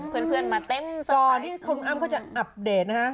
คุณเพื่อนมาเต็มสเตอร์ไพรส์อยู่ก่อนที่คุณอ้ำก็จะอัปเดตนะฮะ